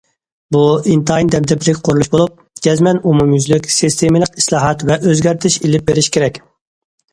بۇ، ئىنتايىن دەبدەبىلىك قۇرۇلۇش بولۇپ، جەزمەن ئومۇميۈزلۈك، سىستېمىلىق ئىسلاھات ۋە ئۆزگەرتىش ئېلىپ بېرىش كېرەك.